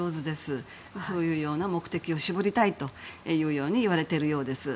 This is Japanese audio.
そういうような目的を絞りたいというように言われているようです。